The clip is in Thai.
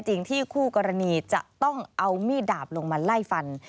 จริงที่คู่กรณีจะต้องเอามีดดาบลงมาไล่ฟัน